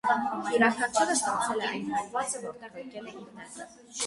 Յուրաքանչյուրը ստացել է այն հատվածը, որտեղ ընկել է իր նետը։